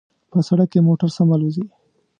په سړک کې موټر سم الوزي